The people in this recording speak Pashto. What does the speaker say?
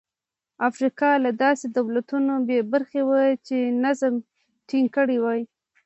افریقا له داسې دولتونو بې برخې وه چې نظم ټینګ کړي وای.